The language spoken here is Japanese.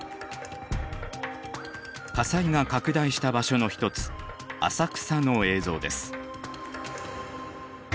火災が拡大した場所の一つ浅草の映像です。